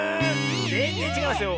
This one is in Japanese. ぜんぜんちがうんですよ。